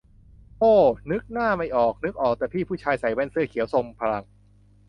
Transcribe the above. โอ้ นึกหน้าไม่ออก นึกออกแต่พี่ผู้ชายใส่แว่นเสื้อเขียวทรงพลัง